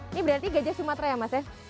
ini berarti gajah sumatera ya mas ya